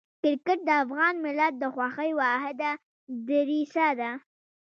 کرکټ د افغان ملت د خوښۍ واحده دریڅه ده.